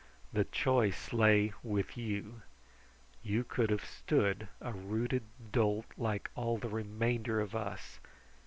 "The choice lay with you. You could have stood a rooted dolt like all the remainder of us.